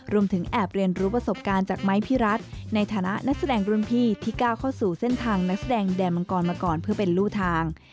รวมถึงแอบเรียนรู้ประสบการณ์จากไม้พี่รัฐในฐานะนักแสดงรุ่นพี่ที่ก้าวเข้าสู่เส้นทางนักแสดงแดนมังกรมาก่อนเพื่อเป็นรูทาง